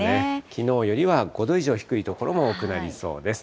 きのうよりは５度以上低い所も多くなりそうです。